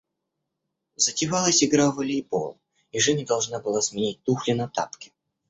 Затевалась игра в волейбол, и Женя должна была сменить туфли на тапки.